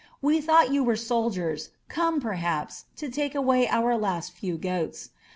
We thought you were soldiers, come, perhaps, to take away our last few goats.